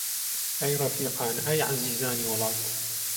ئەی ڕەفیقان، ئەی عەزیزانی وڵات!